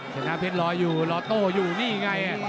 ชนะเพชรรออยู่รอโต้อยู่นี่ไง